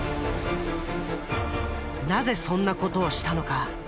なぜそんな事をしたのか？